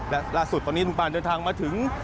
และล่าสุดตอนนี้ลุงปานเดินทางมาถึง